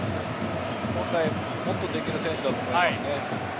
本来、もっとできる選手だと思いますね。